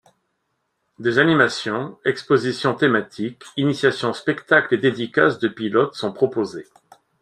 Des animations, expositions thématiques, initiations, spectacles et dédicaces de pilotes sont proposés.